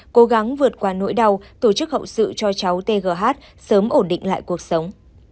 cố gắng vượt qua nỗi đau tổ chức hậu sự cho cháu tgh sớm ổn định lại cuộc sống